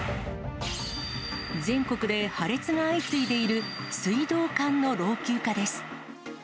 全国で破裂が相次いでいる水道管の老朽化です。